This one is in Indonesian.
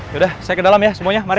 sudah saya ke dalam ya semuanya mari